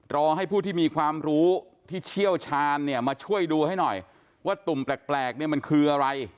รอให้ผู้ที่มีความรู้ที่เชี่ยวชาญเนี่ยมาช่วยดูให้หน่อยว่าตุ่มแปลกเนี่ยมันคืออะไร